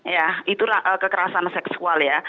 ya itulah kekerasan seksual ya